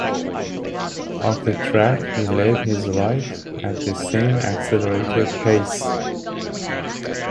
Off the track, he led his life at the same accelerated pace.